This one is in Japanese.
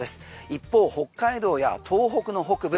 一方、北海道や東北の北部